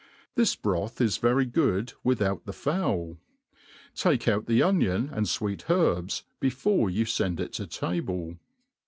Thi^ broth is very good without the fowl. Take out the onion and fwect herbs before you fend it to tabic.